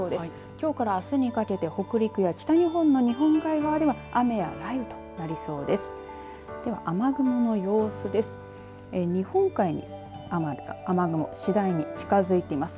きょうからあすにかけて北陸や北日本の日本海側では雨や雷雨となりそうです。